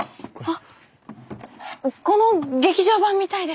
はっこの劇場版見たいです。